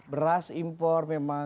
beras impor memang